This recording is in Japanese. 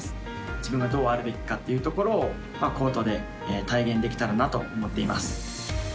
自分がどうあるべきかっていうところをコートで体現できたらなと思っています。